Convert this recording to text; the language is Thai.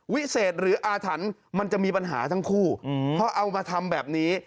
วิเศษหรืออาถรรพ์มันจะมีปัญหาทั้งคู่เพราะเอามาทำแบบนี้